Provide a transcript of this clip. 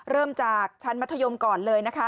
เริ่มจากชั้นมัธยมก่อนเลยนะคะ